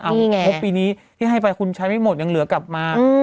เอางบปีนี้ที่ให้ไปคุณใช้ไม่หมดยังเหลือกลับมา